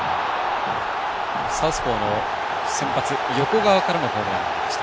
サウスポーの先発、横川からのホームランになりました。